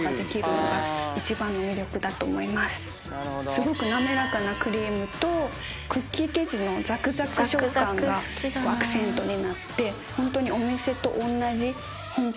すごく滑らかなクリームとクッキー生地のザクザク食感がアクセントになってホントに。